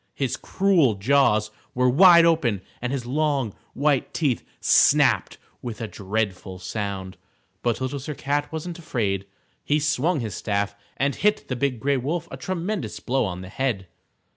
His cruel jaws were wide open and his long, white teeth snapped with a dreadful sound. But Little Sir Cat wasn't afraid. He swung his staff and hit the Big Gray Wolf a tremendous blow on the head.